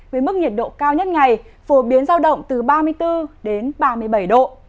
với mức nhiệt độ cao nhất ngày phổ biến giao động từ ba mươi bốn đến ba mươi bảy độ